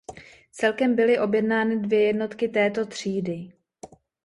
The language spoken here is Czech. Celkem byly objednány dvě jednotky této třídy.